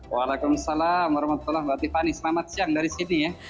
waalaikumsalam warahmatullahi wabarakatuh selamat siang dari sini ya